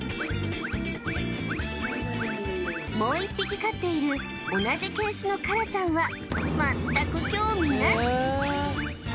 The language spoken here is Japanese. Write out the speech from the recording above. もう一匹飼っている同じ犬種のカラちゃんは全く興味なし